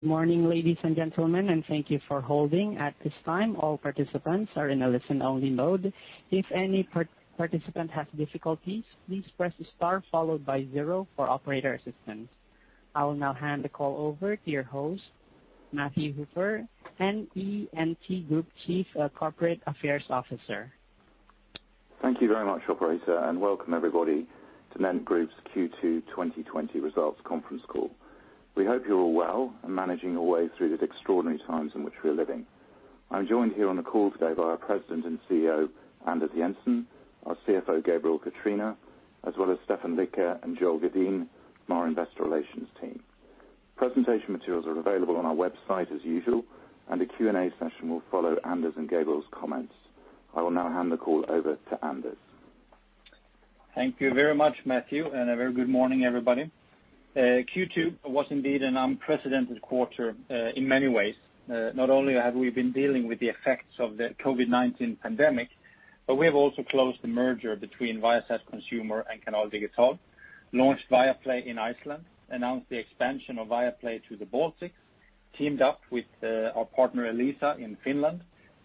Good morning, ladies and gentlemen, thank you for holding. At this time, all participants are in a listen-only mode. If any participant has difficulties, please press star followed by zero for operator assistance. I will now hand the call over to your host, Matthew Hooper, NENT Group Chief Corporate Affairs Officer. Thank you very much, operator, and welcome everybody to NENT Group's Q2 2020 results conference call. We hope you're all well and managing your way through the extraordinary times in which we're living. I'm joined here on the call today by our President and CEO, Anders Jensen, our CFO, Gabriel Catrina, as well as Stefan Lycke and Joel Gedin from our investor relations team. Presentation materials are available on our website as usual, and a Q&A session will follow Anders and Gabriel's comments. I will now hand the call over to Anders. Thank you very much, Matthew, and a very good morning, everybody. Q2 was indeed an unprecedented quarter in many ways. Not only have we been dealing with the effects of the COVID-19 pandemic, but we have also closed the merger between Viasat Consumer and Canal Digital, launched Viaplay in Iceland, announced the expansion of Viaplay to the Baltics, teamed up with our partner, Elisa in Finland,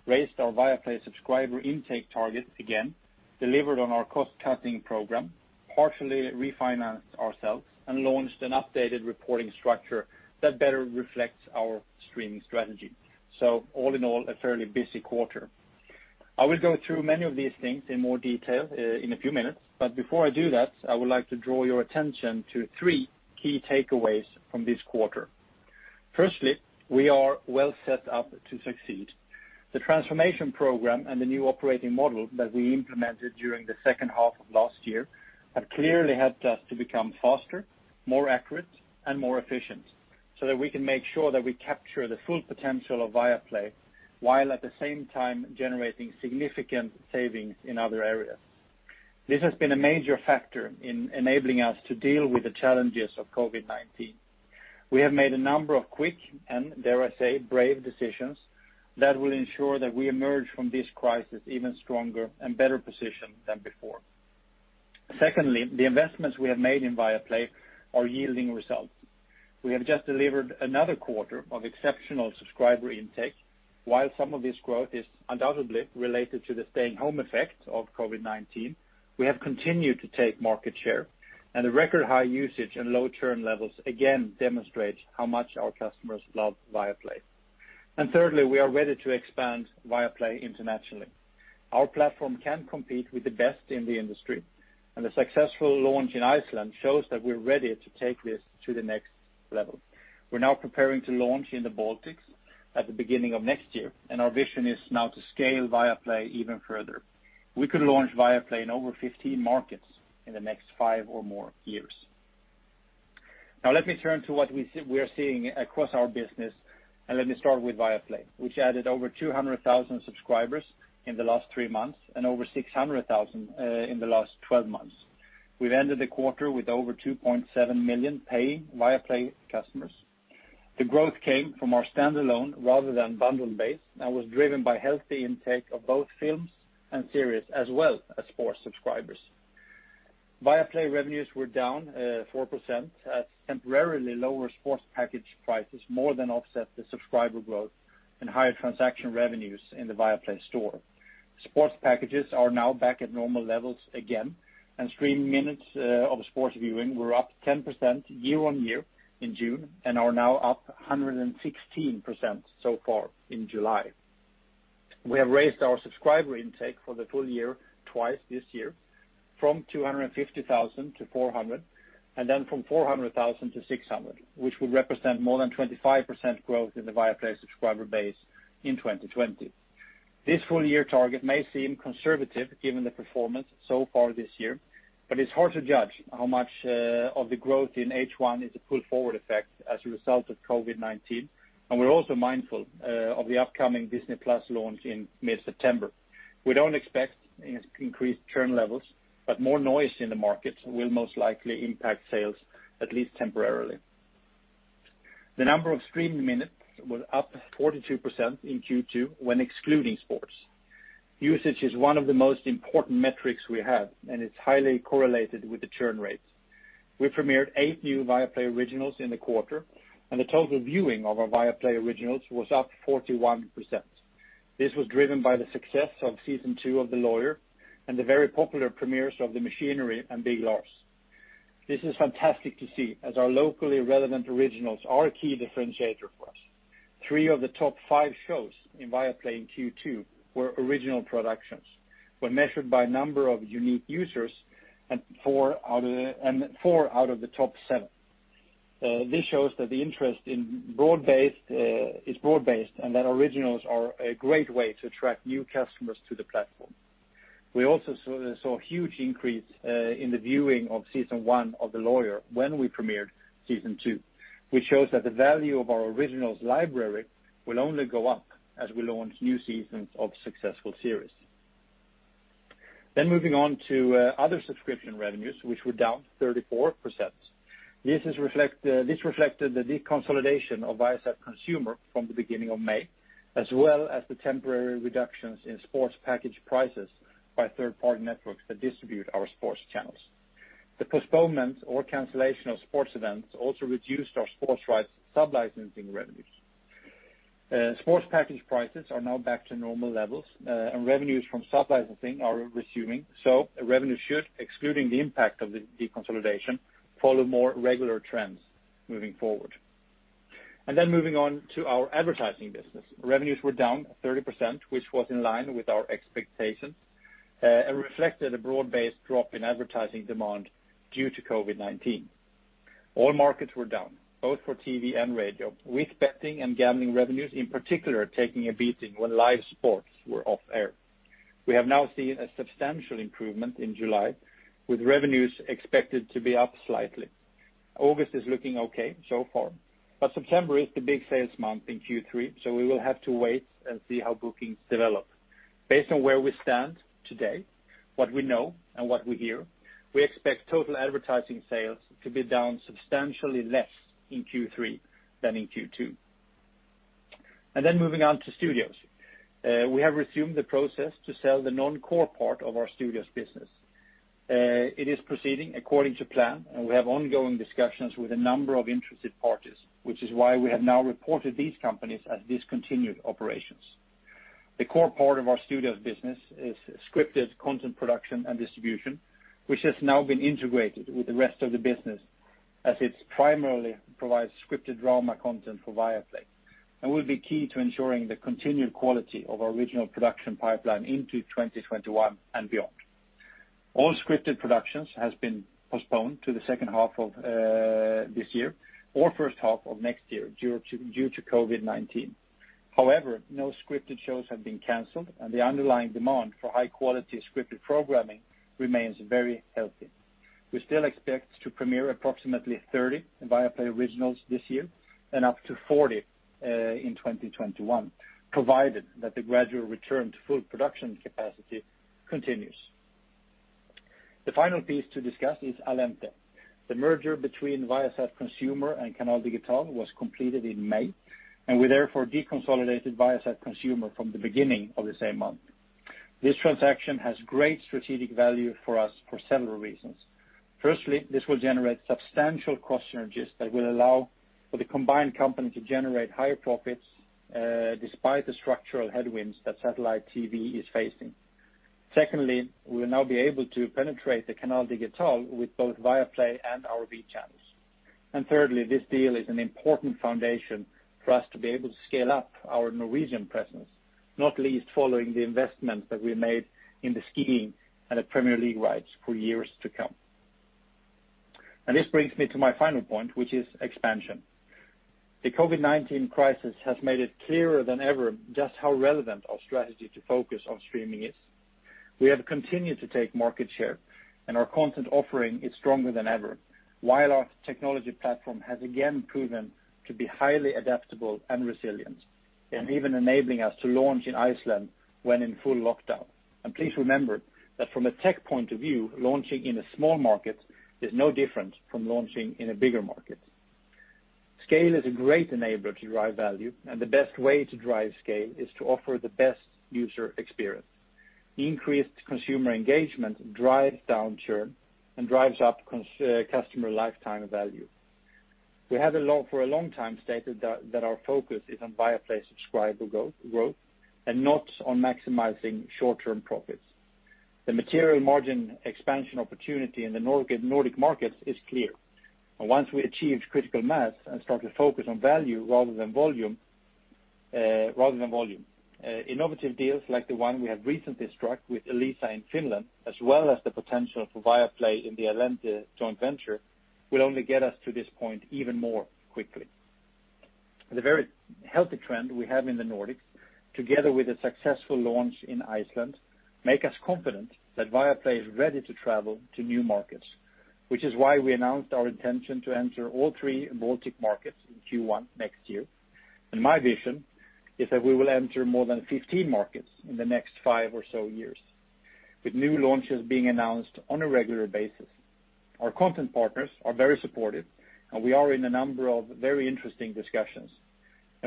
raised our Viaplay subscriber intake targets again, delivered on our cost-cutting program, partially refinanced ourselves, and launched an updated reporting structure that better reflects our streaming strategy. All in all, a fairly busy quarter. I will go through many of these things in more detail in a few minutes. Before I do that, I would like to draw your attention to three key takeaways from this quarter. Firstly, we are well set up to succeed. The transformation program and the new operating model that we implemented during the second half of last year have clearly helped us to become faster, more accurate, and more efficient, so that we can make sure that we capture the full potential of Viaplay, while at the same time generating significant savings in other areas. This has been a major factor in enabling us to deal with the challenges of COVID-19. We have made a number of quick, and dare I say, brave decisions that will ensure that we emerge from this crisis even stronger and better positioned than before. Secondly, the investments we have made in Viaplay are yielding results. We have just delivered another quarter of exceptional subscriber intake. While some of this growth is undoubtedly related to the staying home effect of COVID-19, we have continued to take market share, and the record high usage and low churn levels again demonstrate how much our customers love Viaplay. Thirdly, we are ready to expand Viaplay internationally. Our platform can compete with the best in the industry, and the successful launch in Iceland shows that we're ready to take this to the next level. We're now preparing to launch in the Baltics at the beginning of next year, and our vision is now to scale Viaplay even further. We could launch Viaplay in over 15 markets in the next five or more years. Now let me turn to what we are seeing across our business, and let me start with Viaplay, which added over 200,000 subscribers in the last three months and over 600,000 in the last 12 months. We've ended the quarter with over 2.7 million paying Viaplay customers. The growth came from our standalone rather than bundle base and was driven by healthy intake of both films and series, as well as sports subscribers. Viaplay revenues were down 4% as temporarily lower sports package prices more than offset the subscriber growth and higher transaction revenues in the Viaplay store. Sports packages are now back at normal levels again, and streaming minutes of sports viewing were up 10% year-on-year in June and are now up 116% so far in July. We have raised our subscriber intake for the full year twice this year, from 250,000 to 400,000, and then from 400,000 to 600,000, which would represent more than 25% growth in the Viaplay subscriber base in 2020. This full-year target may seem conservative given the performance so far this year, but it's hard to judge how much of the growth in H1 is a pull-forward effect as a result of COVID-19. We're also mindful of the upcoming Disney+ launch in mid-September. We don't expect increased churn levels, but more noise in the market will most likely impact sales at least temporarily. The number of streaming minutes was up 42% in Q2 when excluding sports. Usage is one of the most important metrics we have, and it's highly correlated with the churn rates. We premiered eight new Viaplay Originals in the quarter, and the total viewing of our Viaplay Originals was up 41%. This was driven by the success of season two of "The Lawyer" and the very popular premieres of "The Machinery" and "Big Lars." This is fantastic to see, as our locally relevant originals are a key differentiator for us. Three of the top five shows in Viaplay in Q2 were original productions when measured by number of unique users, and four out of the top seven. This shows that the interest is broad based and that originals are a great way to attract new customers to the platform. We also saw a huge increase in the viewing of season one of "The Lawyer" when we premiered season two, which shows that the value of our originals library will only go up as we launch new seasons of successful series. Moving on to other subscription revenues, which were down 34%. This reflected the deconsolidation of Viasat Consumer from the beginning of May, as well as the temporary reductions in sports package prices by third-party networks that distribute our sports channels. The postponement or cancellation of sports events also reduced our sports rights subleasing revenues. Sports package prices are now back to normal levels, and revenues from subleasing are resuming. Revenue should, excluding the impact of the deconsolidation, follow more regular trends moving forward. Moving on to our advertising business. Revenues were down 30%, which was in line with our expectations, and reflected a broad-based drop in advertising demand due to COVID-19. All markets were down, both for TV and radio, with betting and gambling revenues in particular taking a beating when live sports were off air. We have now seen a substantial improvement in July, with revenues expected to be up slightly. August is looking okay so far, September is the big sales month in Q3, so we will have to wait and see how bookings develop. Based on where we stand today, what we know, and what we hear, we expect total advertising sales to be down substantially less in Q3 than in Q2. Moving on to Studios. We have resumed the process to sell the non-core part of our Studios business. It is proceeding according to plan, and we have ongoing discussions with a number of interested parties, which is why we have now reported these companies as discontinued operations. The core part of our Studios business is scripted content production and distribution, which has now been integrated with the rest of the business, as it primarily provides scripted drama content for Viaplay and will be key to ensuring the continued quality of our original production pipeline into 2021 and beyond. All scripted productions have been postponed to the second half of this year or first half of next year due to COVID-19. However, no scripted shows have been canceled, and the underlying demand for high-quality scripted programming remains very healthy. We still expect to premiere approximately 30 Viaplay Originals this year and up to 40 in 2021, provided that the gradual return to full production capacity continues. The final piece to discuss is Allente. The merger between Viasat Consumer and Canal Digital was completed in May, and we therefore deconsolidated Viasat Consumer from the beginning of the same month. This transaction has great strategic value for us for several reasons. Firstly, this will generate substantial cost synergies that will allow for the combined company to generate higher profits despite the structural headwinds that satellite TV is facing. Secondly, we will now be able to penetrate Canal Digital with both Viaplay and our V channels. Thirdly, this deal is an important foundation for us to be able to scale up our Norwegian presence, not least following the investments that we made in skiing and the Premier League rights for years to come. This brings me to my final point, which is expansion. The COVID-19 crisis has made it clearer than ever just how relevant our strategy to focus on streaming is. We have continued to take market share, and our content offering is stronger than ever, while our technology platform has again proven to be highly adaptable and resilient, and even enabling us to launch in Iceland when in full lockdown. Please remember that from a tech point of view, launching in a small market is no different from launching in a bigger market. Scale is a great enabler to drive value, and the best way to drive scale is to offer the best user experience. Increased consumer engagement drives down churn and drives up customer lifetime value. We have for a long time stated that our focus is on Viaplay subscriber growth and not on maximizing short-term profits. The material margin expansion opportunity in the Nordic markets is clear, and once we achieve critical mass and start to focus on value rather than volume. Innovative deals like the one we have recently struck with Elisa in Finland, as well as the potential for Viaplay in the Allente joint venture, will only get us to this point even more quickly. The very healthy trend we have in the Nordics, together with a successful launch in Iceland, make us confident that Viaplay is ready to travel to new markets, which is why we announced our intention to enter all three Baltic markets in Q1 next year. My vision is that we will enter more than 15 markets in the next five or so years, with new launches being announced on a regular basis. Our content partners are very supportive, and we are in a number of very interesting discussions.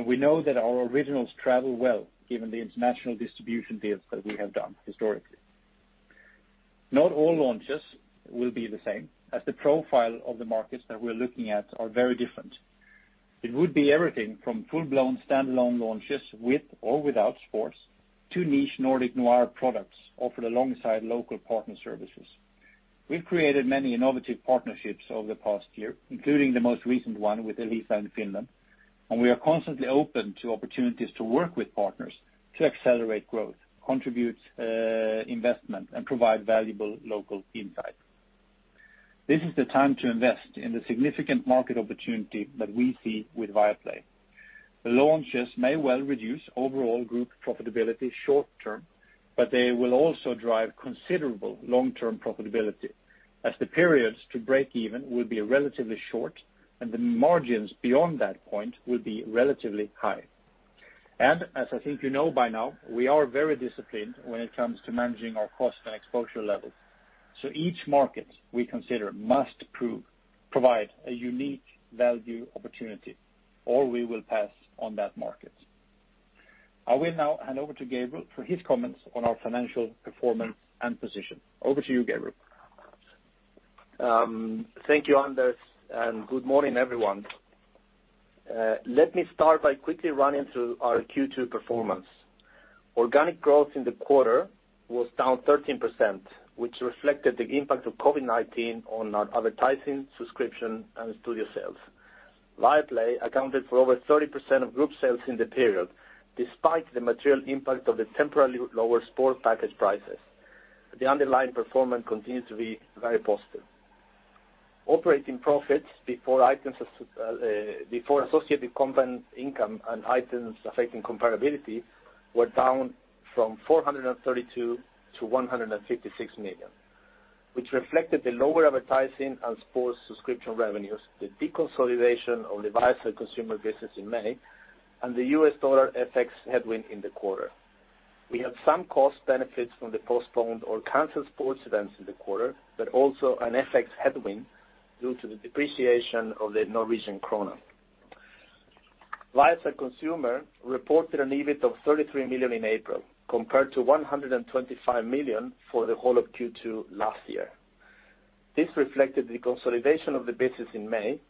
We know that our originals travel well given the international distribution deals that we have done historically. Not all launches will be the same, as the profile of the markets that we're looking at are very different. It would be everything from full-blown standalone launches with or without sports to niche Nordic noir products offered alongside local partner services. We've created many innovative partnerships over the past year, including the most recent one with Elisa in Finland, and we are constantly open to opportunities to work with partners to accelerate growth, contribute investment, and provide valuable local insight. This is the time to invest in the significant market opportunity that we see with Viaplay. The launches may well reduce overall group profitability short term, but they will also drive considerable long-term profitability as the periods to break even will be relatively short and the margins beyond that point will be relatively high. As I think you know by now, we are very disciplined when it comes to managing our cost and exposure levels. Each market we consider must provide a unique value opportunity, or we will pass on that market. I will now hand over to Gabriel for his comments on our financial performance and position. Over to you, Gabriel. Thank you, Anders, and good morning, everyone. Let me start by quickly running through our Q2 performance. Organic growth in the quarter was down 13%, which reflected the impact of COVID-19 on our advertising, subscription, and studio sales. Viaplay accounted for over 30% of group sales in the period, despite the material impact of the temporarily lower sport package prices. The underlying performance continues to be very positive. Operating profits before associated company income and items affecting comparability were down from 432 million to 156 million, which reflected the lower advertising and sports subscription revenues, the deconsolidation of the Viasat Consumer business in May, and the US dollar FX headwind in the quarter. We have some cost benefits from the postponed or canceled sports events in the quarter, but also an FX headwind due to the depreciation of the Norwegian krone. Viasat Consumer reported an EBIT of 33 million in April compared to 125 million for the whole of Q2 last year. This reflected the consolidation of the business in May.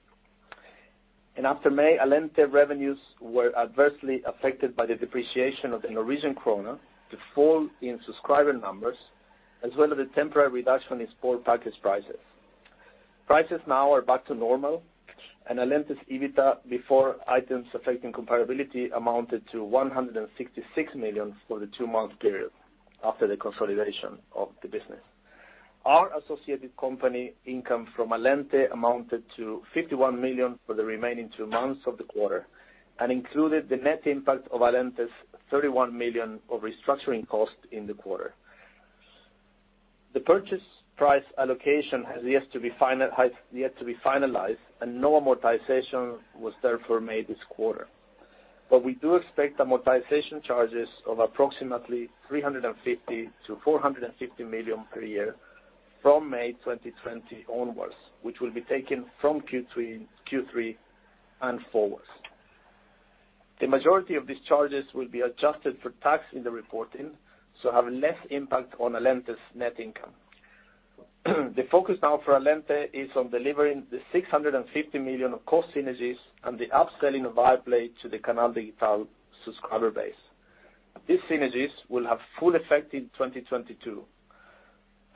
After May, Allente revenues were adversely affected by the depreciation of the Norwegian krone, the fall in subscriber numbers, as well as a temporary reduction in sport package prices. Prices now are back to normal, and Allente's EBITDA before items affecting comparability amounted to 166 million for the two-month period after the consolidation of the business. Our associated company income from Allente amounted to 51 million for the remaining two months of the quarter and included the net impact of Allente's 31 million of restructuring costs in the quarter. The purchase price allocation has yet to be finalized, and no amortization was therefore made this quarter. We do expect amortization charges of approximately 350 million-450 million per year from May 2020 onwards, which will be taken from Q3 and forwards. The majority of these charges will be adjusted for tax in the reporting, so have less impact on Allente's net income. The focus now for Allente is on delivering the 650 million of cost synergies and the upselling of Viaplay to the Canal Digital subscriber base. These synergies will have full effect in 2022,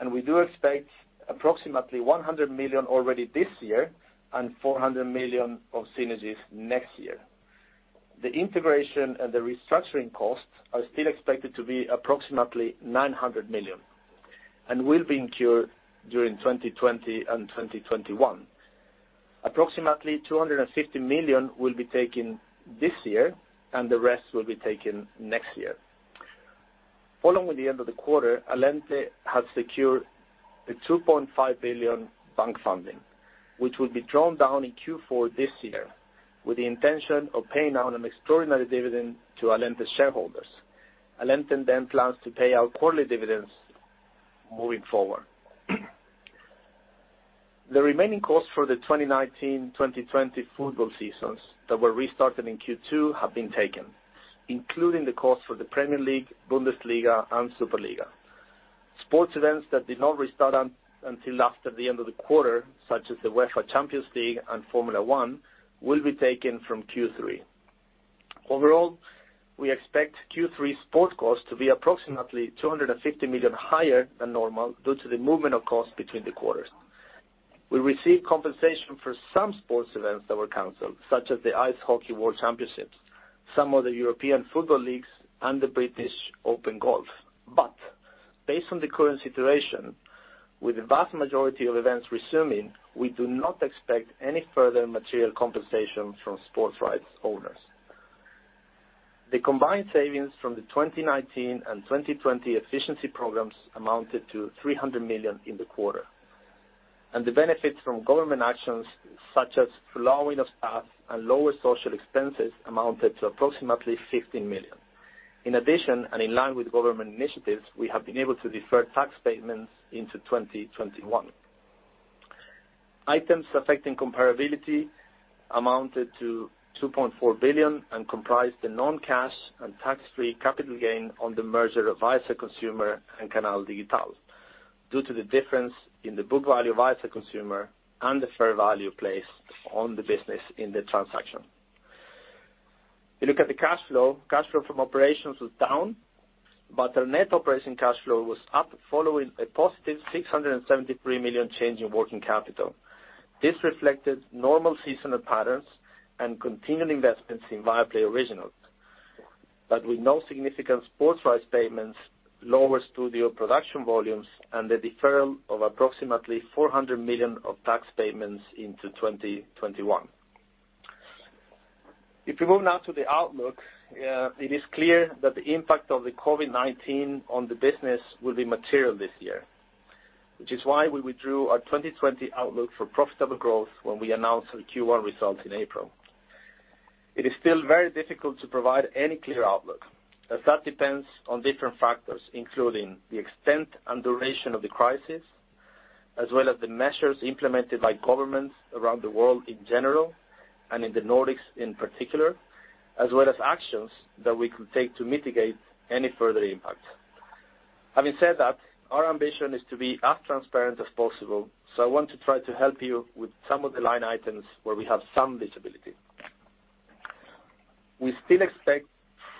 and we do expect approximately 100 million already this year and 400 million of synergies next year. The integration and the restructuring costs are still expected to be approximately 900 million and will be incurred during 2020 and 2021. Approximately 250 million will be taken this year, and the rest will be taken next year. Following the end of the quarter, Allente has secured a 2.5 billion bank funding, which will be drawn down in Q4 this year with the intention of paying out an extraordinary dividend to Allente shareholders. Allente then plans to pay out quarterly dividends moving forward. The remaining costs for the 2019-2020 football seasons that were restarted in Q2 have been taken, including the cost for the Premier League, Bundesliga, and Superliga. Sports events that did not restart until after the end of the quarter, such as the UEFA Champions League and Formula 1, will be taken from Q3. Overall, we expect Q3 sport costs to be approximately 250 million higher than normal due to the movement of costs between the quarters. We received compensation for some sports events that were canceled, such as the Ice Hockey World Championships, some of the European football leagues, and the British Open Golf. Based on the current situation, with the vast majority of events resuming, we do not expect any further material compensation from sports rights owners. The combined savings from the 2019 and 2020 efficiency programs amounted to 300 million in the quarter, and the benefits from government actions, such as furloughing of staff and lower social expenses, amounted to approximately 15 million. In addition, in line with government initiatives, we have been able to defer tax payments into 2021. Items affecting comparability amounted to 2.4 billion and comprised the non-cash and tax-free capital gain on the merger of Viasat Consumer and Canal Digital due to the difference in the book value of Viasat Consumer and the fair value placed on the business in the transaction. You look at the cash flow. Cash flow from operations was down, but our net operating cash flow was up following a positive 673 million change in working capital. This reflected normal seasonal patterns and continued investments in Viaplay Originals, but with no significant sports rights payments, lower studio production volumes, and the deferral of approximately 400 million of tax payments into 2021. If we move now to the outlook, it is clear that the impact of the COVID-19 on the business will be material this year, which is why we withdrew our 2020 outlook for profitable growth when we announced the Q1 results in April. It is still very difficult to provide any clear outlook, as that depends on different factors, including the extent and duration of the crisis. As well as the measures implemented by governments around the world in general, and in the Nordics in particular, as well as actions that we can take to mitigate any further impact. Having said that, our ambition is to be as transparent as possible, so I want to try to help you with some of the line items where we have some visibility. We still expect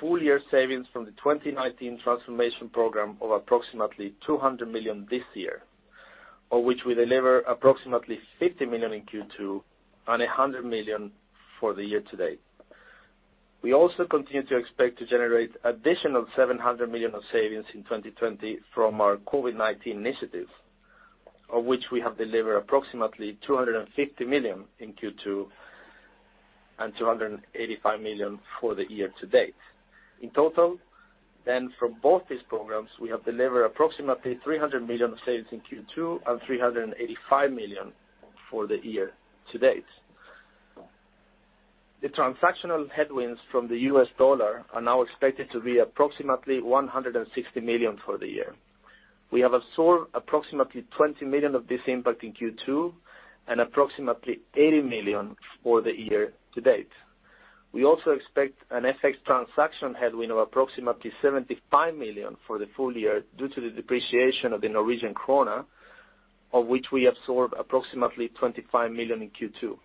full-year savings from the 2019 transformation program of approximately 200 million this year, of which we deliver approximately 50 million in Q2 and 100 million for the year to date. We also continue to expect to generate additional 700 million of savings in 2020 from our COVID-19 initiatives, of which we have delivered approximately 250 million in Q2 and 285 million for the year to date. In total, from both these programs, we have delivered approximately 300 million of savings in Q2 and 385 million for the year to date. The transactional headwinds from the US dollar are now expected to be approximately $160 million for the year. We have absorbed approximately $20 million of this impact in Q2 and approximately $80 million for the year to date. We also expect an FX transaction headwind of approximately 75 million for the full year due to the depreciation of the Norwegian kroner, of which we absorbed approximately 25 million in Q2.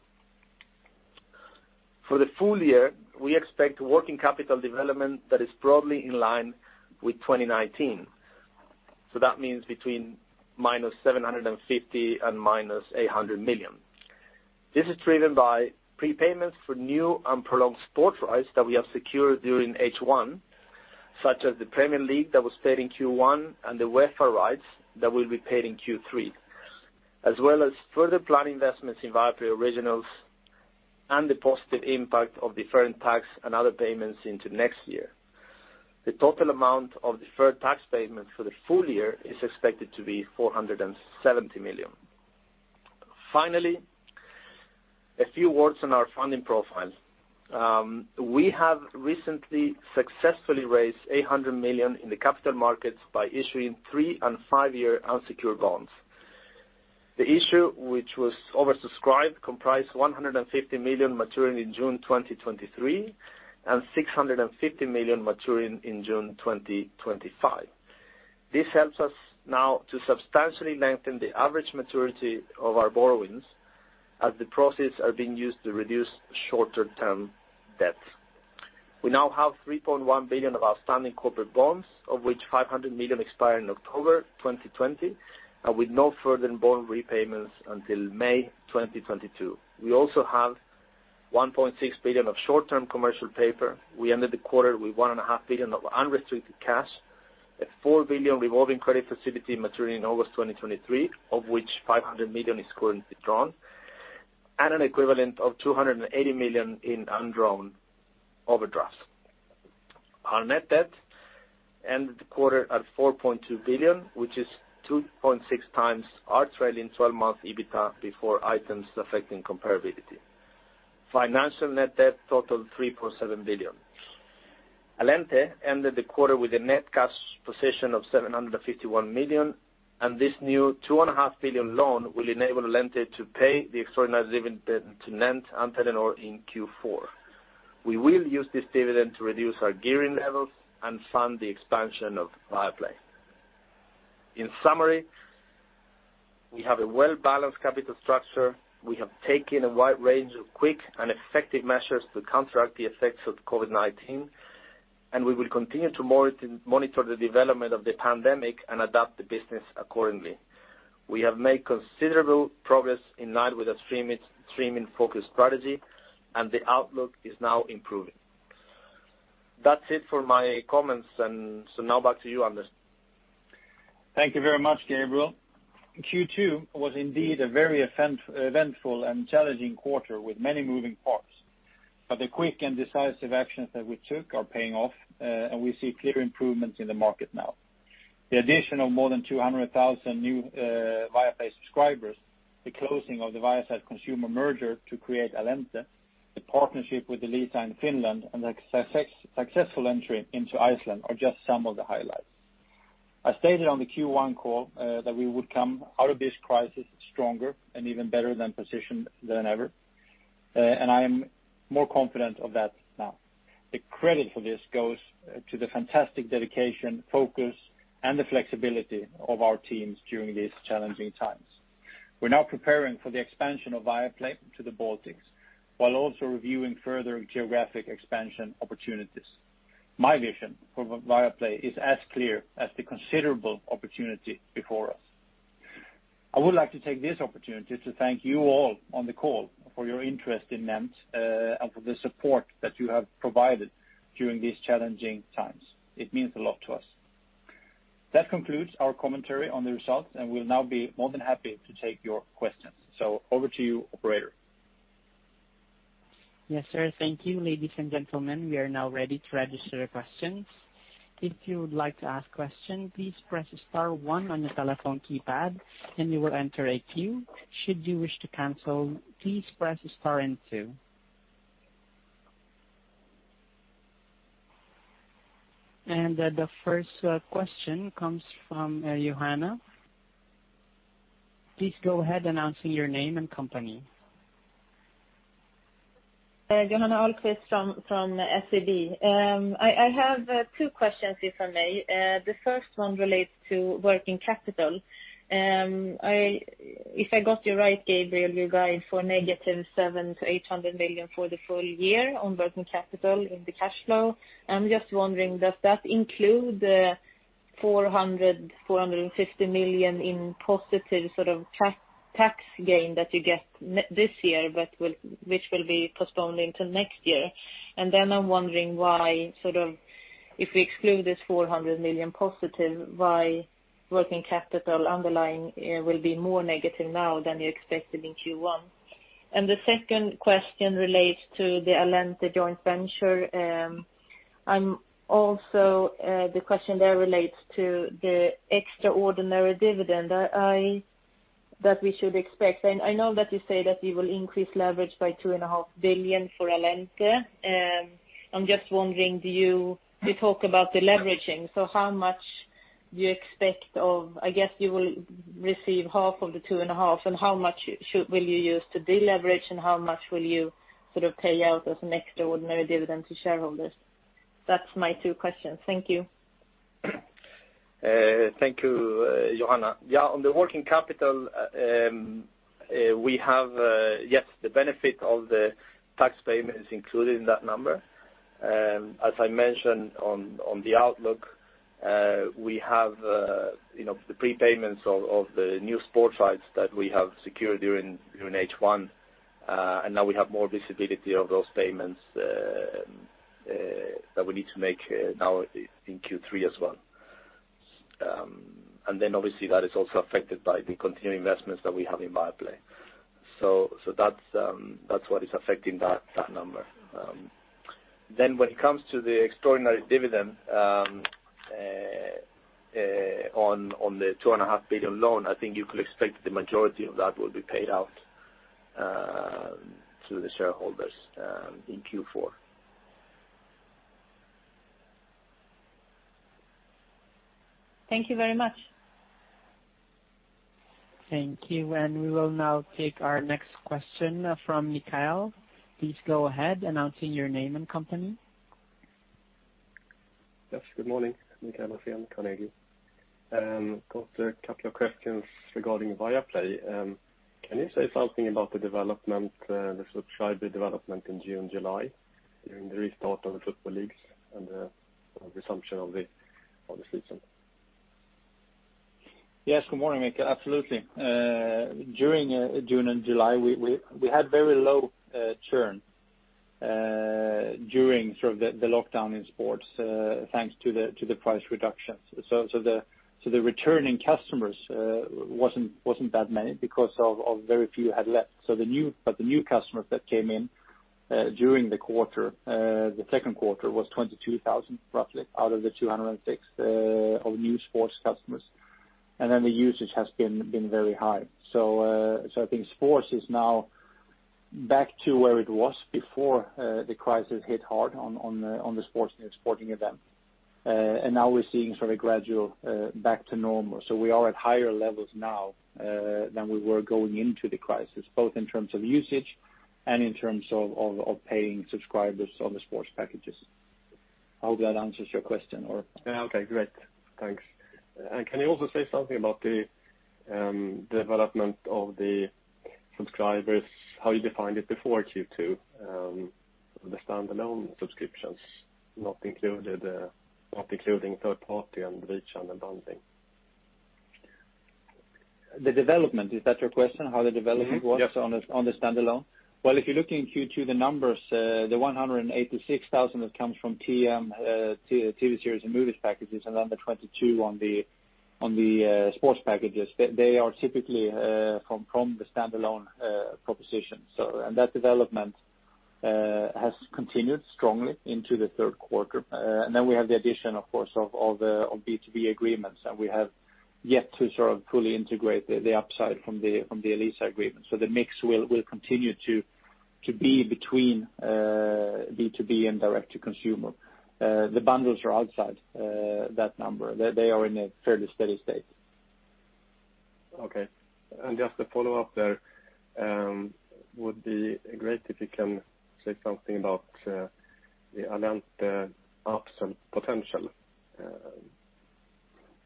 For the full year, we expect working capital development that is broadly in line with 2019. That means between minus 750 million and minus 800 million. This is driven by prepayments for new and prolonged sports rights that we have secured during H1, such as the Premier League that was paid in Q1 and the UEFA rights that will be paid in Q3, as well as further planned investments in Viaplay Originals and the positive impact of deferred tax and other payments into next year. The total amount of deferred tax payments for the full year is expected to be 470 million. Finally, a few words on our funding profile. We have recently successfully raised 800 million in the capital markets by issuing three- and five-year unsecured bonds. The issue, which was oversubscribed, comprised 150 million maturing in June 2023 and 650 million maturing in June 2025. This helps us now to substantially lengthen the average maturity of our borrowings as the proceeds are being used to reduce shorter-term debts. We now have 3.1 billion of outstanding corporate bonds, of which 500 million expire in October 2020, and with no further bond repayments until May 2022. We also have 1.6 billion of short-term commercial paper. We ended the quarter with 1.5 billion of unrestricted cash, a 4 billion revolving credit facility maturing in August 2023, of which 500 million is currently drawn, and an equivalent of 280 million in undrawn overdrafts. Our net debt ended the quarter at 4.2 billion, which is 2.6 times our trailing 12-month EBITA before items affecting comparability. Financial net debt totaled 3.7 billion. Allente ended the quarter with a net cash position of 751 million, and this new 2.5 billion loan will enable Allente to pay the extraordinary dividend to NENT and Telenor in Q4. We will use this dividend to reduce our gearing levels and fund the expansion of Viaplay. In summary, we have a well-balanced capital structure. We have taken a wide range of quick and effective measures to counteract the effects of COVID-19, and we will continue to monitor the development of the pandemic and adapt the business accordingly. We have made considerable progress in line with our streaming-focused strategy, and the outlook is now improving. That's it for my comments. Now back to you, Anders. Thank you very much, Gabriel. Q2 was indeed a very eventful and challenging quarter with many moving parts, but the quick and decisive actions that we took are paying off, and we see clear improvements in the market now. The addition of more than 200,000 new Viaplay subscribers, the closing of the Viasat Consumer merger to create Allente, the partnership with Elisa in Finland, and the successful entry into Iceland are just some of the highlights. I stated on the Q1 call that we would come out of this crisis stronger and even better than positioned than ever, and I am more confident of that now. The credit for this goes to the fantastic dedication, focus, and the flexibility of our teams during these challenging times. We're now preparing for the expansion of Viaplay to the Baltics, while also reviewing further geographic expansion opportunities. My vision for Viaplay is as clear as the considerable opportunity before us. I would like to take this opportunity to thank you all on the call for your interest in NENT, and for the support that you have provided during these challenging times. It means a lot to us. That concludes our commentary on the results, and we'll now be more than happy to take your questions. Over to you, operator. Yes, sir. Thank you, ladies and gentlemen. We are now ready to register questions. If you would like to ask question, please press star one on your telephone keypad and you will enter a queue. Should you wish to cancel, please press star and two. The first question comes from Johanna. Please go ahead announcing your name and company. Johanna Ahlqvist from SEB. I have two questions, if I may. The first one relates to working capital. If I got you right, Gabriel, you guide for negative 700 million-800 million for the full year on working capital in the cash flow. I'm just wondering, does that include the 400 million, 450 million in positive tax gain that you get this year, which will be postponed into next year? I'm wondering why, if we exclude this 400 million positive, why working capital underlying will be more negative now than you expected in Q1. The second question relates to the Allente joint venture. The question there relates to the extraordinary dividend that we should expect. I know that you say that you will increase leverage by two and a half billion for Allente. I'm just wondering, do you talk about the leveraging? How much do you expect of, I guess you will receive half of the two and a half, and how much will you use to deleverage and how much will you pay out as an extraordinary dividend to shareholders? That is my two questions. Thank you. Thank you, Johanna. On the working capital, the benefit of the tax payment is included in that number. As I mentioned on the outlook, we have the prepayments of the new sports rights that we have secured during H1. Now we have more visibility of those payments that we need to make now in Q3 as well. Obviously that is also affected by the continuing investments that we have in Viaplay. That's what is affecting that number. When it comes to the extraordinary dividend on the two and a half billion loan, I think you could expect the majority of that will be paid out to the shareholders in Q4. Thank you very much. Thank you. We will now take our next question from Mikael. Please go ahead announcing your name and company. Good morning. Mikael Laséen, Carnegie. Got a couple of questions regarding Viaplay. Can you say something about the subscriber development in June, July during the restart of the football leagues and the resumption of the season? Good morning, Mikael Laséen. Absolutely. During June and July, we had very low churn during the lockdown in sports, thanks to the price reductions. The returning customers wasn't that many because very few had left. The new customers that came in during the second quarter was 22,000 roughly, out of the 206,000 of new sports customers. The usage has been very high. I think sports is now back to where it was before the crisis hit hard on the sports and sporting event. Now we're seeing gradual back to normal. We are at higher levels now than we were going into the crisis, both in terms of usage and in terms of paying subscribers on the sports packages. I hope that answers your question. Yeah, okay, great. Thanks. Can you also say something about the development of the subscribers, how you defined it before Q2, the standalone subscriptions, not including third party and V and the bundling? The development, is that your question? Yes. on the standalone? If you're looking Q2, the numbers, the 186,000 that comes from TV and movies packages, and then the 22,000 on the sports packages, they are typically from the standalone proposition. That development has continued strongly into the third quarter. We have the addition, of course, of B2B agreements, and we have yet to fully integrate the upside from the Elisa agreement. The mix will continue to be between B2B and direct to consumer. The bundles are outside that number. They are in a fairly steady state. Okay. Just to follow up there, would be great if you can say something about the Allente upsell potential.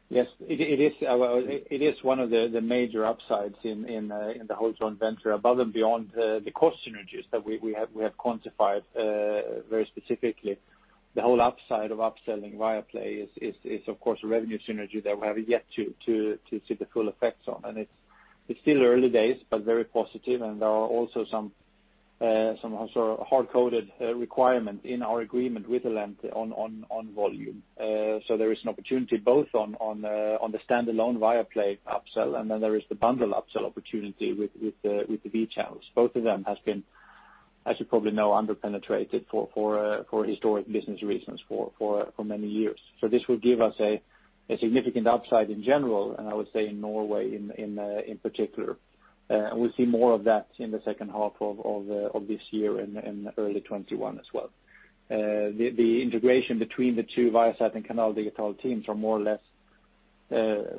Yes. It is one of the major upsides in the whole joint venture above and beyond the cost synergies that we have quantified very specifically. The whole upside of upselling Viaplay is, of course, a revenue synergy that we have yet to see the full effects on. It's still early days, but very positive, and there are also some hard-coded requirement in our agreement with Allente on volume. There is an opportunity both on the standalone Viaplay upsell, and then there is the bundle upsell opportunity with the V channels. Both of them has been, as you probably know, under-penetrated for historic business reasons for many years. This will give us a significant upside in general, and I would say in Norway in particular. We'll see more of that in the second half of this year and early 2021 as well. The integration between the two Viasat and Canal Digital teams are more or less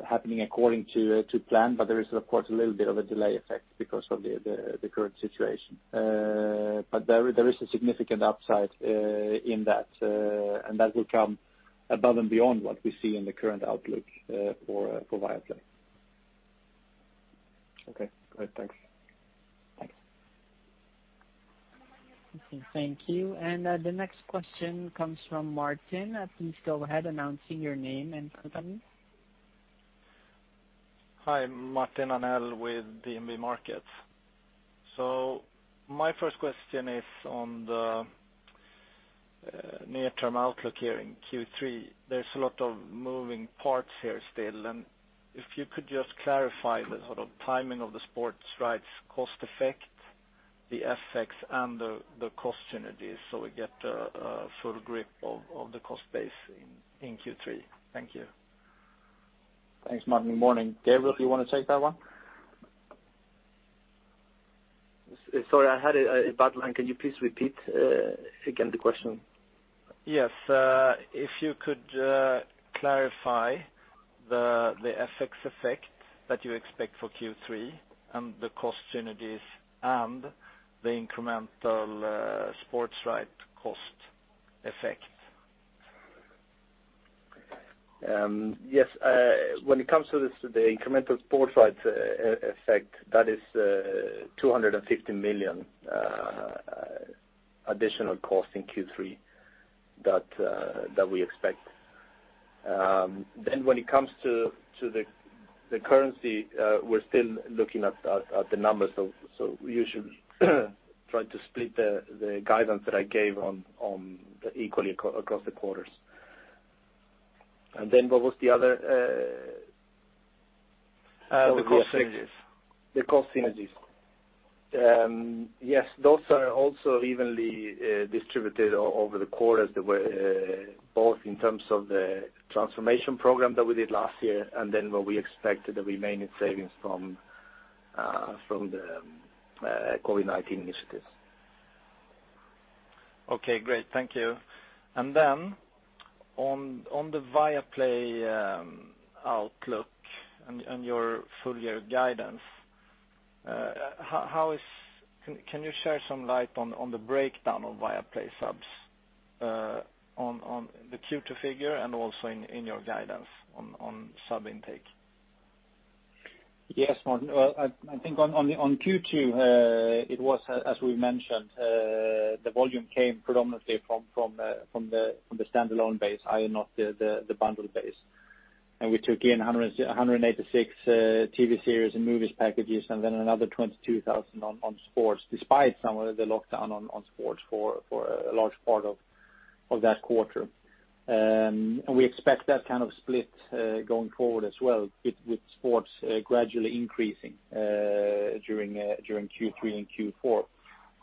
happening according to plan, but there is, of course, a little bit of a delay effect because of the current situation. There is a significant upside in that, and that will come above and beyond what we see in the current outlook for Viaplay. Okay, great. Thanks. Thanks. Thank you. The next question comes from Martin. Please go ahead announcing your name and company. Hi. Martin Arnell with DNB Markets. My first question is on the near-term outlook here in Q3. There's a lot of moving parts here still. If you could just clarify the sort of timing of the sports rights cost effect, the FX and the cost synergies so we get a full grip of the cost base in Q3. Thank you. Thanks, Martin. Good morning. Gabriel, do you want to take that one? Sorry, I had a bad line. Can you please repeat again the question? Yes. If you could clarify the FX effect that you expect for Q3 and the cost synergies and the incremental sports right cost effect? Yes. When it comes to the incremental sports rights effect, that is 250 million additional cost in Q3 that we expect. When it comes to the currency, we're still looking at the numbers. You should try to split the guidance that I gave equally across the quarters. What was the other? The cost synergies. The cost synergies. Yes. Those are also evenly distributed over the quarters, both in terms of the transformation program that we did last year, and what we expect the remaining savings from the COVID-19 initiatives. Okay, great. Thank you. On the Viaplay outlook and your full-year guidance, can you share some light on the breakdown of Viaplay subs on the Q2 figure and also in your guidance on sub intake? Yes, Martin. Well, I think on Q2, it was, as we mentioned, the volume came predominantly from the standalone base and not the bundle base. We took in 186 TV and movies packages another 22,000 on sports, despite some of the lockdown on sports for a large part of that quarter. We expect that kind of split going forward as well, with sports gradually increasing during Q3 and Q4.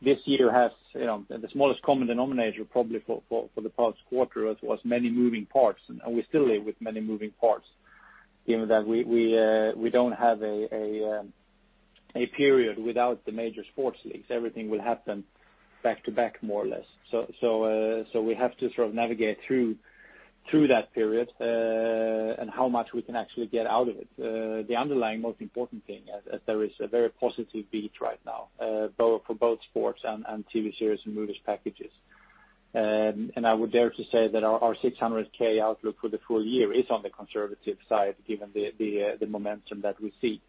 This year has the smallest common denominator probably for the past quarter was many moving parts. We still live with many moving parts, given that we don't have a period without the major sports leagues. Everything will happen back-to-back, more or less. We have to sort of navigate through that period and how much we can actually get out of it. The underlying most important thing is there is a very positive beat right now for both sports and TV series and movies packages. I would dare to say that our 600K outlook for the full year is on the conservative side, given the momentum that we see.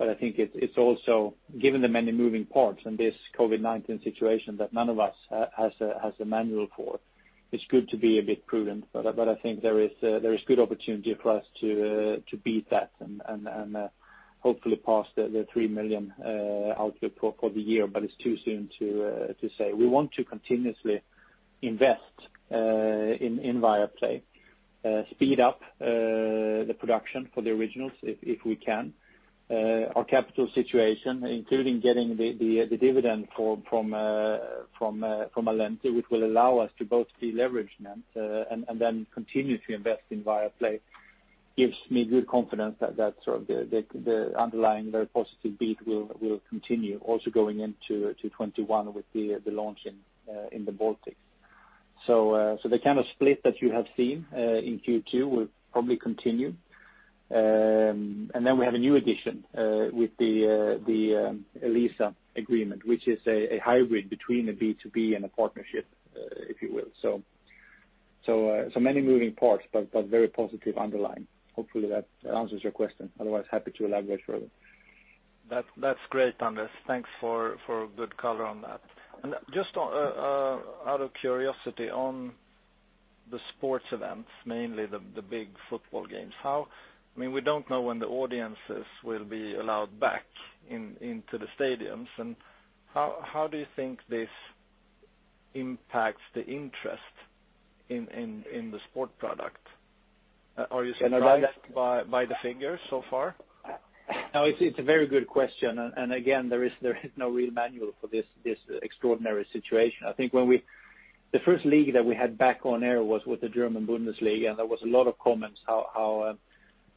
I think it's also given the many moving parts and this COVID-19 situation that none of us has a manual for. It's good to be a bit prudent, I think there is good opportunity for us to beat that and hopefully pass the 3 million [output cro] for the year, it's too soon to say. We want to continuously invest in Viaplay, speed up the production for the originals if we can. Our capital situation, including getting the dividend from Allente, which will allow us to both deleverage and continue to invest in Viaplay, gives me good confidence that the underlying very positive beat will continue also going into 2021 with the launch in the Baltics. The kind of split that you have seen in Q2 will probably continue. We have a new addition with the Elisa agreement, which is a hybrid between a B2B and a partnership, if you will. Many moving parts, but very positive underlying. Hopefully that answers your question. Otherwise, happy to elaborate further. That's great, Anders. Thanks for a good color on that. Just out of curiosity on the sports events, mainly the big football games, we don't know when the audiences will be allowed back into the stadiums. How do you think this impacts the interest in the sport product? Are you surprised by the figures so far? No, it's a very good question. Again, there is no real manual for this extraordinary situation. I think the first league that we had back on air was with the German Bundesliga, there was a lot of comments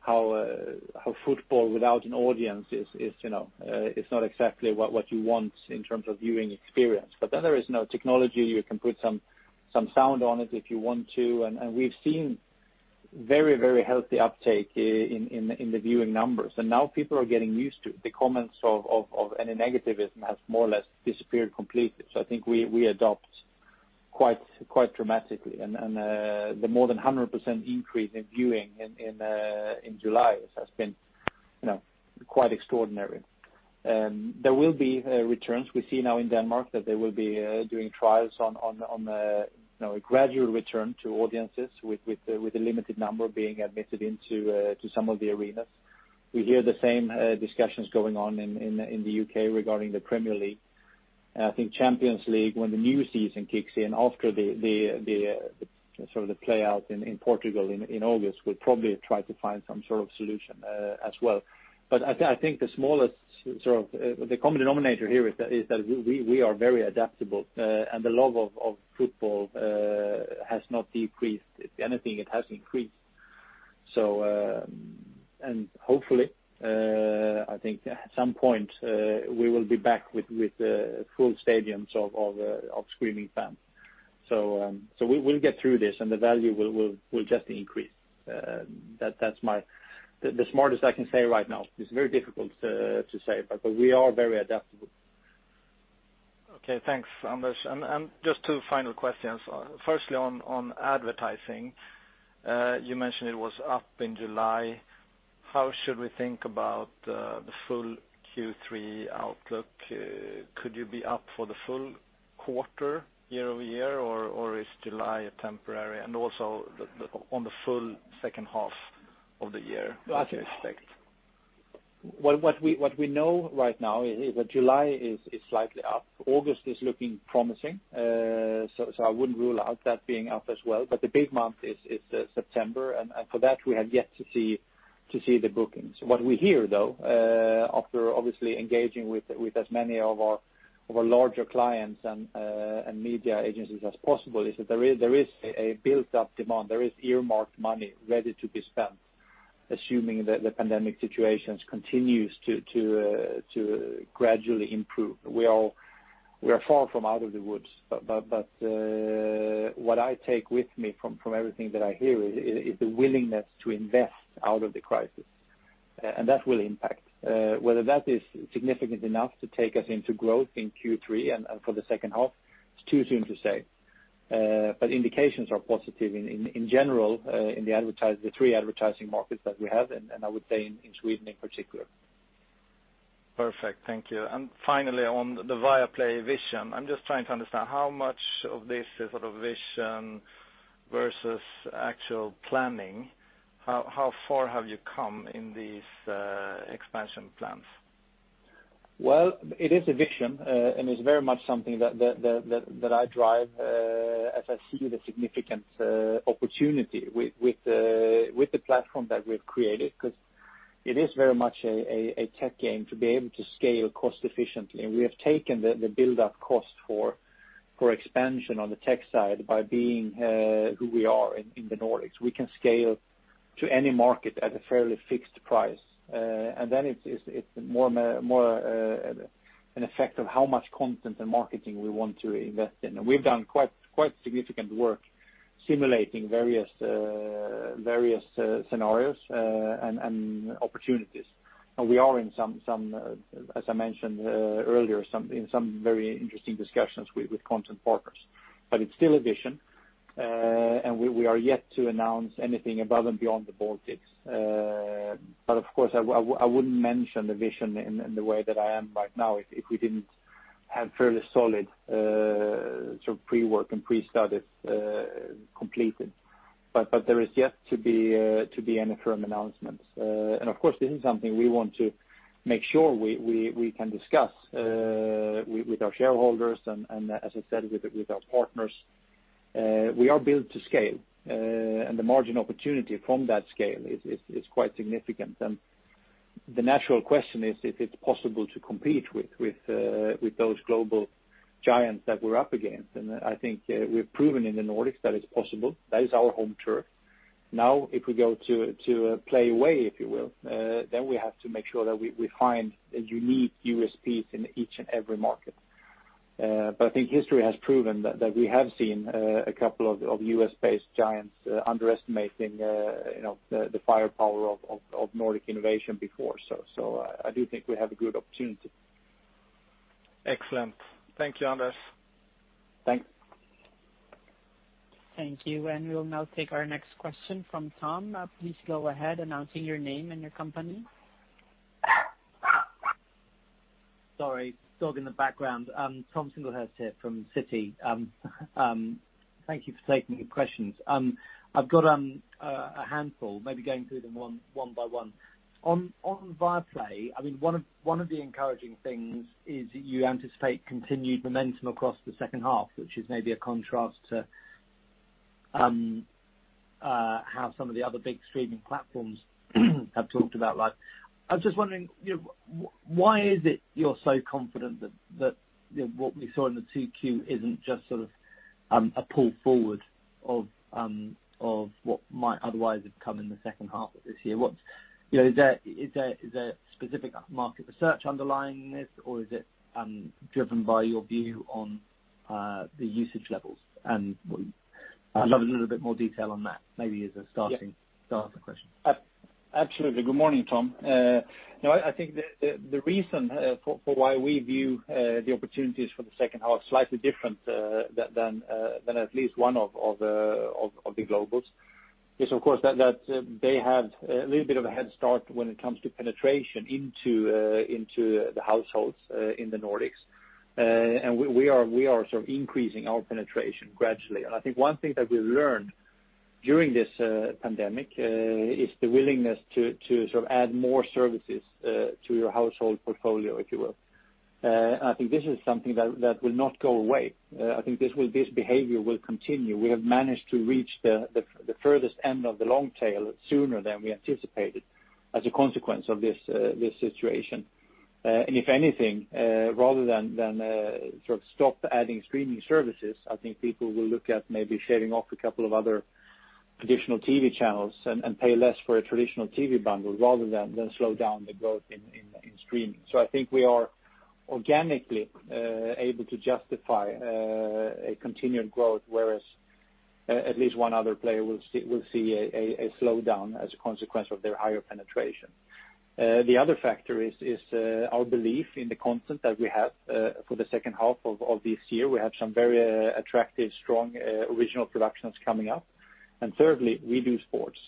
how football without an audience is not exactly what you want in terms of viewing experience. There is now technology, you can put some sound on it if you want to. We've seen very healthy uptake in the viewing numbers. Now people are getting used to it. The comments of any negativism has more or less disappeared completely. I think we adopt quite dramatically and the more than 100% increase in viewing in July has been quite extraordinary. There will be returns. We see now in Denmark that they will be doing trials on a gradual return to audiences with a limited number being admitted into some of the arenas. We hear the same discussions going on in the U.K. regarding the Premier League. I think Champions League, when the new season kicks in after the play-out in Portugal in August, will probably try to find some sort of solution as well. I think the common denominator here is that we are very adaptable, and the love of football has not decreased. If anything, it has increased. Hopefully, I think at some point, we will be back with full stadiums of screaming fans. We'll get through this, and the value will just increase. That's the smartest I can say right now. It's very difficult to say, but we are very adaptable. Okay. Thanks, Anders. Just two final questions. Firstly, on advertising, you mentioned it was up in July. How should we think about the full Q3 outlook? Could you be up for the full quarter year-over-year, or is July a temporary? Also, on the full second half of the year, what do you expect? What we know right now is that July is slightly up. August is looking promising, so I wouldn't rule out that being up as well. The big month is September. For that, we have yet to see the bookings. What we hear, though, after obviously engaging with as many of our larger clients and media agencies as possible, is that there is a built-up demand. There is earmarked money ready to be spent, assuming that the pandemic situations continues to gradually improve. We are far from out of the woods. What I take with me from everything that I hear is the willingness to invest out of the crisis. That will impact. Whether that is significant enough to take us into growth in Q3 and for the second half, it's too soon to say. Indications are positive in general, in the three advertising markets that we have, and I would say in Sweden in particular. Perfect. Thank you. Finally, on the Viaplay vision, I'm just trying to understand how much of this is vision versus actual planning. How far have you come in these expansion plans? Well, it is a vision, and it's very much something that I drive as I see the significant opportunity with the platform that we've created, because it is very much a tech game to be able to scale cost efficiently. We have taken the build-up cost for expansion on the tech side by being who we are in the Nordics. We can scale to any market at a fairly fixed price. Then it's more an effect of how much content and marketing we want to invest in. We've done quite significant work simulating various scenarios and opportunities. We are in some, as I mentioned earlier, in some very interesting discussions with content partners. It's still a vision. We are yet to announce anything above and beyond the Baltics. Of course, I wouldn't mention the vision in the way that I am right now if we didn't have fairly solid pre-work and pre-studies completed. There is yet to be any firm announcements. Of course, this is something we want to make sure we can discuss with our shareholders and, as I said, with our partners. We are built to scale, and the margin opportunity from that scale is quite significant. The natural question is if it's possible to compete with those global giants that we're up against. I think we've proven in the Nordics that it's possible. That is our home turf. If we go to play away, if you will, then we have to make sure that we find unique USPs in each and every market. I think history has proven that we have seen a couple of U.S.-based giants underestimating the firepower of Nordic innovation before. I do think we have a good opportunity. Excellent. Thank you, Anders. Thanks. Thank you. We'll now take our next question from Tom. Please go ahead announcing your name and your company. Sorry, dog in the background. Tom Singlehurst from Citi. Thank you for taking the questions. I've got a handful, maybe going through them one by one. On Viaplay, one of the encouraging things is you anticipate continued momentum across the second half, which is maybe a contrast to how some of the other big streaming platforms have talked about life. I was just wondering, why is it you're so confident that what we saw in the 2Q isn't just sort of a pull forward of what might otherwise have come in the second half of this year? Is there specific market research underlying this, or is it driven by your view on the usage levels? I'd love a little bit more detail on that, maybe as a starting point. Yeah starter question. Absolutely. Good morning, Tom. I think the reason for why we view the opportunities for the second half slightly different than at least one of the globals is, of course, that they have a little bit of a head start when it comes to penetration into the households in the Nordics. We are sort of increasing our penetration gradually. I think one thing that we learned during this pandemic is the willingness to add more services to your household portfolio, if you will. I think this is something that will not go away. I think this behavior will continue. We have managed to reach the furthest end of the long tail sooner than we anticipated as a consequence of this situation. If anything, rather than stop adding streaming services, I think people will look at maybe shaving off a couple of other traditional TV channels and pay less for a traditional TV bundle rather than slow down the growth in streaming. I think we are organically able to justify a continued growth, whereas at least one other player will see a slowdown as a consequence of their higher penetration. The other factor is our belief in the content that we have for the second half of this year. We have some very attractive, strong original productions coming up. Thirdly, we do sports.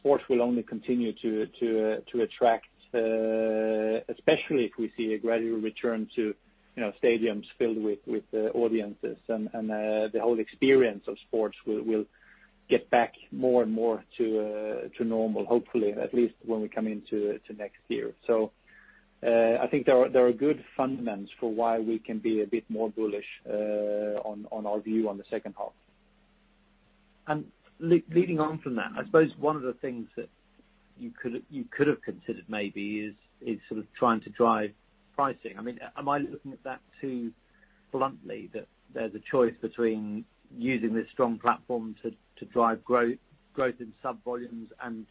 Sports will only continue to attract, especially if we see a gradual return to stadiums filled with audiences. The whole experience of sports will get back more and more to normal, hopefully, at least when we come into next year. I think there are good fundamentals for why we can be a bit more bullish on our view on the second half. Leading on from that, I suppose one of the things that you could've considered maybe is sort of trying to drive pricing. Am I looking at that too bluntly, that there's a choice between using this strong platform to drive growth in sub volumes and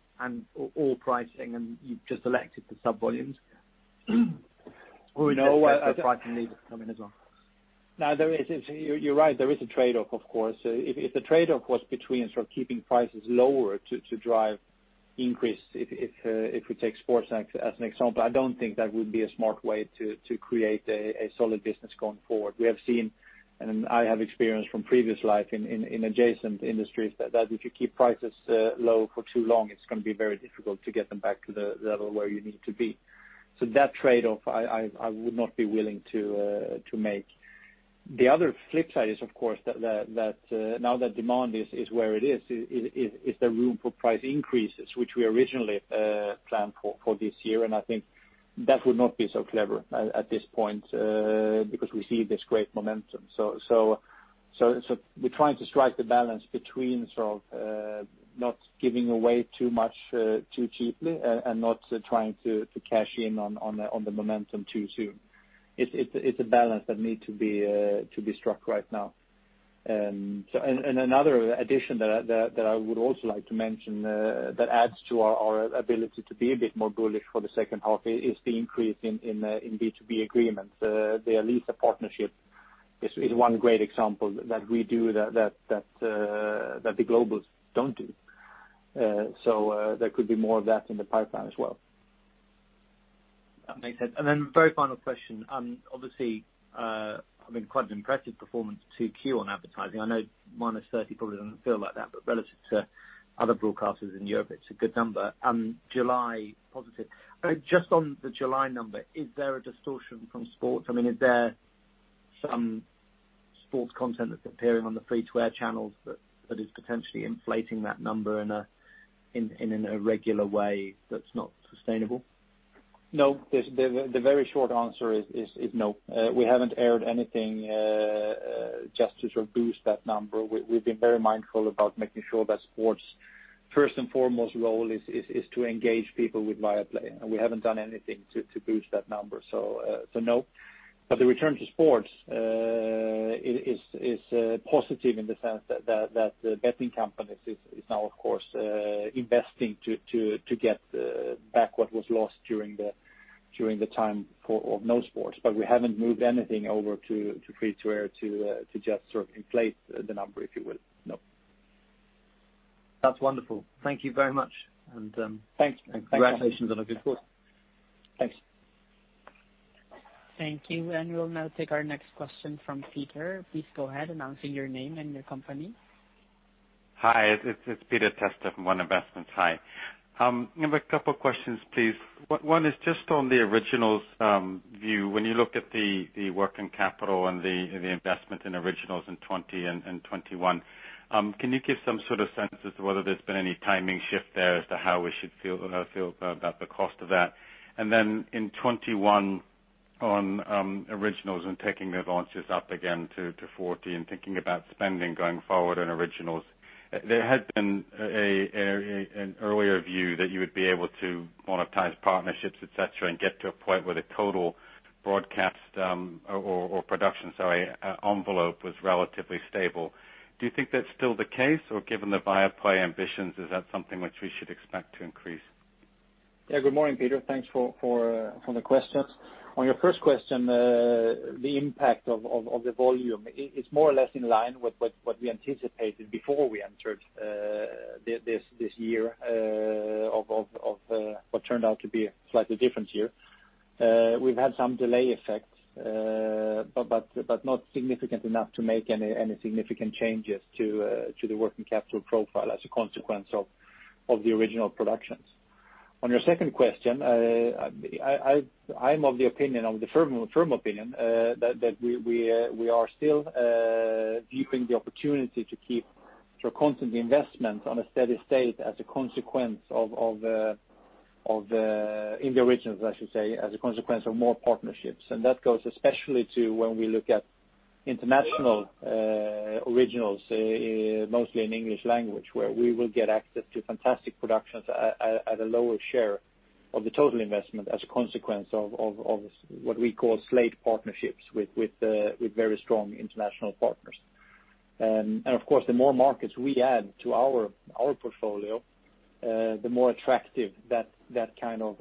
all pricing, and you've just elected the sub volumes? No. pricing needs to come in as well. No, you're right, there is a trade-off, of course. If the trade-off was between sort of keeping prices lower to drive increase, if we take sports as an example, I don't think that would be a smart way to create a solid business going forward. We have seen, and I have experienced from previous life in adjacent industries, that if you keep prices low for too long, it's going to be very difficult to get them back to the level where you need to be. That trade-off, I would not be willing to make. The other flip side is, of course, that now that demand is where it is there room for price increases, which we originally planned for this year, and I think that would not be so clever at this point, because we see this great momentum. We're trying to strike the balance between not giving away too much too cheaply and not trying to cash in on the momentum too soon. It's a balance that needs to be struck right now. Another addition that I would also like to mention that adds to our ability to be a bit more bullish for the second half is the increase in B2B agreements. The Elisa partnership is one great example that we do that the globals don't do. There could be more of that in the pipeline as well. That makes sense. Very final question. Obviously, quite an impressive performance 2Q on advertising. I know minus 30 probably doesn't feel like that, but relative to other broadcasters in Europe, it's a good number. July positive. Just on the July number, is there a distortion from sports? Is there some sports content that's appearing on the free-to-air channels that is potentially inflating that number in an irregular way that's not sustainable? No. The very short answer is no. We haven't aired anything just to sort of boost that number. We've been very mindful about making sure that sports' first and foremost role is to engage people with Viaplay. We haven't done anything to boost that number. No. The return to sports is positive in the sense that the betting companies is now, of course, investing to get back what was lost during the time of no sports. We haven't moved anything over to free-to-air to just sort of inflate the number, if you will. No. That's wonderful. Thank you very much. Thanks Congratulations on a good quarter. Thanks. Thank you. We'll now take our next question from Peter. Please go ahead announcing your name and your company. Hi, it's Peter Testa from One Investments. Hi. I have a couple of questions, please. One is just on the Originals view. When you look at the working capital and the investment in Originals in 2020 and 2021, can you give some sort of sense as to whether there's been any timing shift there as to how we should feel about the cost of that? In 2021 on Originals and taking the launches up again to 40 and thinking about spending going forward on Originals. There had been an earlier view that you would be able to monetize partnerships, et cetera, and get to a point where the total broadcast or production, sorry, envelope was relatively stable. Do you think that's still the case? Or given the Viaplay ambitions, is that something which we should expect to increase? Good morning, Peter. Thanks for the questions. On your first question, the impact of the volume, it's more or less in line with what we anticipated before we entered this year of what turned out to be a slightly different year. We've had some delay effects, but not significant enough to make any significant changes to the working capital profile as a consequence of the original productions. On your second question, I'm of the firm opinion that we are still viewing the opportunity to keep constant investment on a steady state as a consequence of in the originals, I should say, as a consequence of more partnerships. That goes especially to when we look at international originals, mostly in English language, where we will get access to fantastic productions at a lower share of the total investment as a consequence of what we call slate partnerships with very strong international partners. Of course, the more markets we add to our portfolio, the more attractive that kind of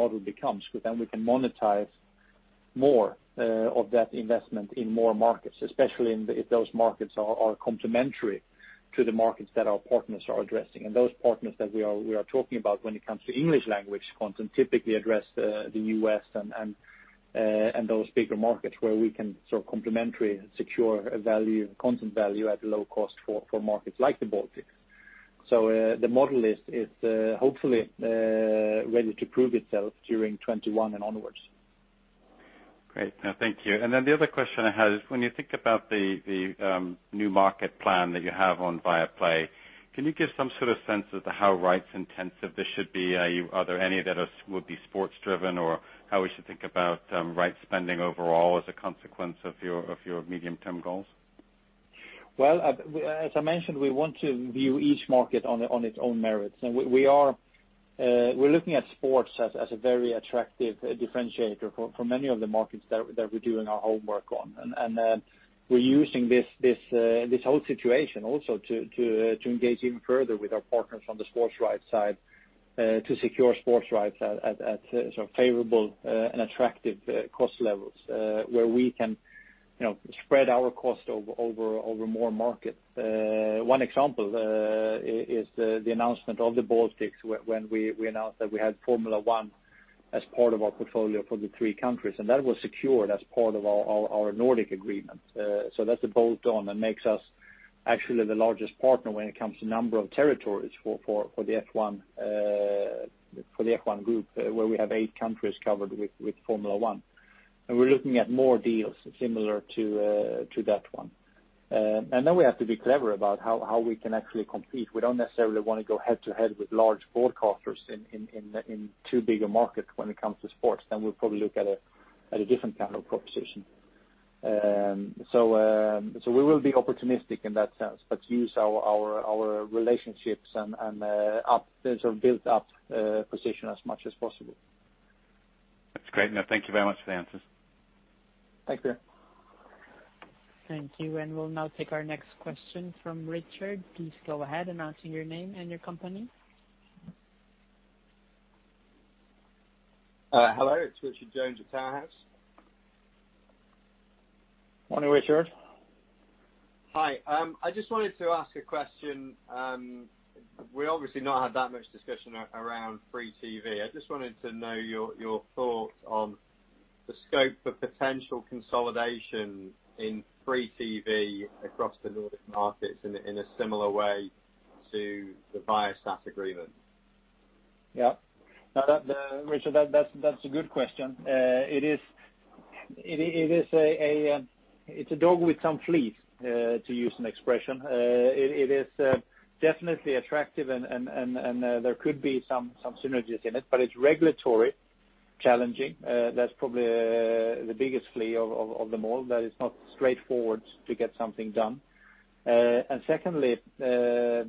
model becomes, because then we can monetize more of that investment in more markets, especially if those markets are complementary to the markets that our partners are addressing. Those partners that we are talking about when it comes to English language content typically address the U.S. and those bigger markets where we can sort of complementary secure a content value at low cost for markets like the Baltics. The model is hopefully ready to prove itself during 2021 and onwards. Great. No, thank you. The other question I had is, when you think about the new market plan that you have on Viaplay, can you give some sort of sense as to how rights-intensive this should be? Are there any that would be sports-driven, or how we should think about rights spending overall as a consequence of your medium-term goals? Well, as I mentioned, we want to view each market on its own merits. We're looking at sports as a very attractive differentiator for many of the markets that we're doing our homework on. We're using this whole situation also to engage even further with our partners on the sports rights side to secure sports rights at sort of favorable and attractive cost levels, where we can spread our cost over more markets. One example is the announcement of the Baltics when we announced that we had Formula 1 as part of our portfolio for the three countries, and that was secured as part of our Nordic agreement. That's a bolt-on that makes us actually the largest partner when it comes to number of territories for the F1 Group, where we have eight countries covered with Formula 1. We're looking at more deals similar to that one. Then we have to be clever about how we can actually compete. We don't necessarily want to go head-to-head with large broadcasters in too big a market when it comes to sports, then we'll probably look at a different kind of proposition. We will be opportunistic in that sense, but use our relationships and our built-up position as much as possible. That's great. No, thank you very much for the answers. Thanks, Peter. Thank you. We'll now take our next question from Richard. Please go ahead, announcing your name and your company. Hello, it's Richard Jones at Towerhouse. Morning, Richard. Hi. I just wanted to ask a question. We obviously have not had that much discussion around free TV. I just wanted to know your thoughts on the scope for potential consolidation in free TV across the Nordic markets in a similar way to the Viasat agreement. Yeah. Richard, that's a good question. It's a dog with some fleas, to use an expression. It is definitely attractive and there could be some synergies in it, but it's regulatory challenging. That's probably the biggest flea of them all, that it's not straightforward to get something done. Secondly, the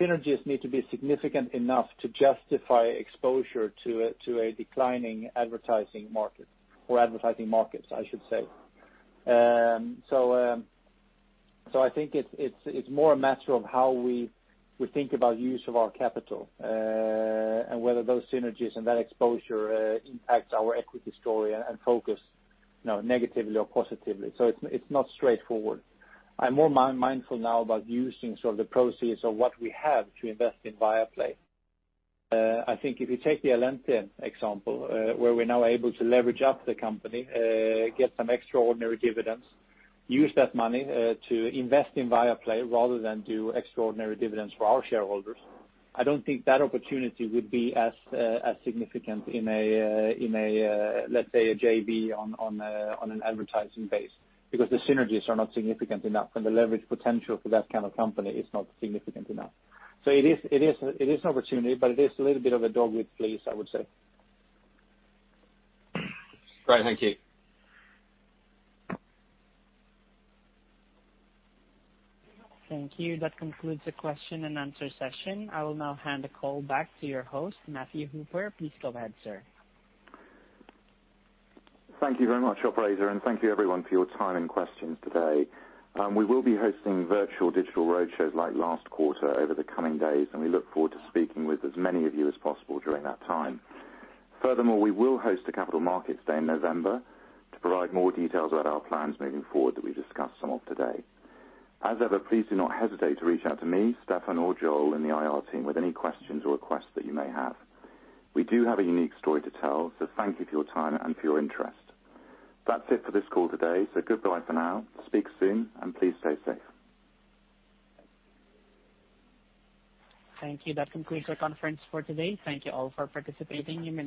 synergies need to be significant enough to justify exposure to a declining advertising market or advertising markets, I should say. I think it's more a matter of how we think about use of our capital, and whether those synergies and that exposure impacts our equity story and focus negatively or positively. It's not straightforward. I'm more mindful now about using sort of the proceeds of what we have to invest in Viaplay. I think if you take the Allente example, where we are now able to leverage up the company, get some extraordinary dividends, use that money to invest in Viaplay rather than do extraordinary dividends for our shareholders. I do not think that opportunity would be as significant in, let us say, a JV on an advertising base, because the synergies are not significant enough, and the leverage potential for that kind of company is not significant enough. So it is an opportunity, but it is a little bit of a dog with fleas, I would say. Great. Thank you. Thank you. That concludes the question and answer session. I will now hand the call back to your host, Matthew Hooper. Please go ahead, sir. Thank you very much, operator, and thank you, everyone, for your time and questions today. We will be hosting virtual digital roadshows like last quarter over the coming days, and we look forward to speaking with as many of you as possible during that time. Furthermore, we will host a capital markets day in November to provide more details about our plans moving forward that we discussed some of today. As ever, please do not hesitate to reach out to me, Stefan, or Joel in the IR team with any questions or requests that you may have. We do have a unique story to tell, so thank you for your time and for your interest. That's it for this call today. Goodbye for now. Speak soon, and please stay safe. Thank you. That concludes our conference for today. Thank you all for participating. You may disconnect now.